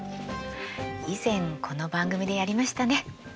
以前この番組でやりましたね。